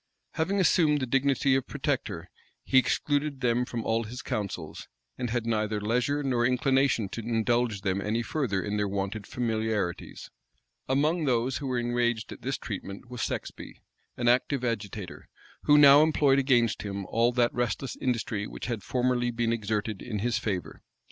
Having assumed the dignity of protector, he excluded them from all his councils, and had neither leisure nor inclination to indulge them any further in their wonted familiarities. Among those who were enraged at this treatment was Sexby, an active agitator, who now employed against him all that restless industry which had formerly been exerted in his favor.